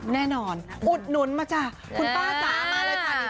แน่นอนอุดหนุนมาจ้ะคุณป้าจ๋ามาเลยค่ะ